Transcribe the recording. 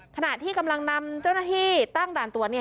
ขณะที่กำลังนำเจ้าหน้าที่ตั้งด่านตรวจ